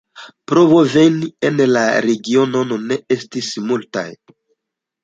Provoj veni en la regionon ne estis multaj.